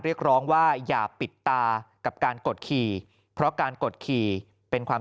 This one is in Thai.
เรียกร้องว่าอย่าปิดตากับการกดขี่เพราะการกดขี่เป็นความ